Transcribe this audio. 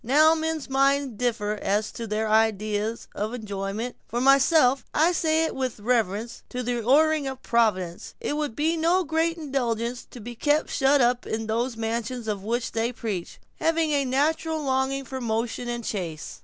Now, men's minds differ as to their ideas of enjoyment. For myself, and I say it with reverence to the ordering of Providence, it would be no great indulgence to be kept shut up in those mansions of which they preach, having a natural longing for motion and the chase."